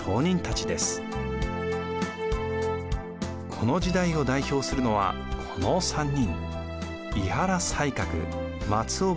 この時代を代表するのはこの３人。